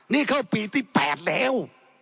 นี่เข้าปีที่๘แล้ว